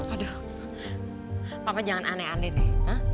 aduh papa jangan aneh aneh deh